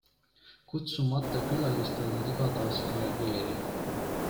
Kutsumata külalistele nad igatahes ei reageeri.